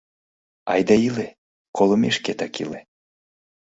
Айда иле, колымешкетак иле...